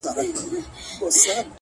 روښانه فکر ګډوډي کموي